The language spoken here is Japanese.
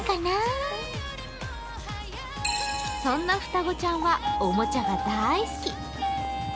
そんな双子ちゃんはおもちゃが大好き。